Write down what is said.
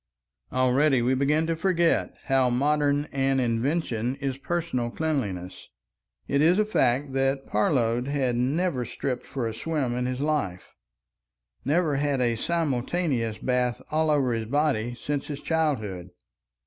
Already we begin to forget how modern an invention is personal cleanliness. It is a fact that Parload had never stripped for a swim in his life; never had a simultaneous bath all over his body since his childhood.